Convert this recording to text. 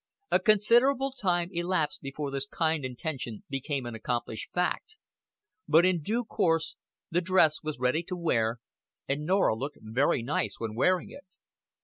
A considerable time elapsed before this kind intention became an accomplished fact; but in due course the dress was ready to wear, and Norah looked very nice when wearing it.